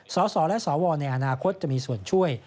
สสและสวในอนาคตจะมีส่วนช่วย